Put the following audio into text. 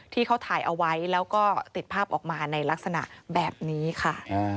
ที่เขาถ่ายเอาไว้แล้วก็ติดภาพออกมาในลักษณะแบบนี้ค่ะ